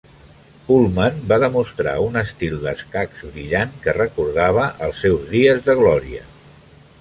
Uhlmann va demostrar un estil d'escacs brillant que recordava els seus dies de glòria.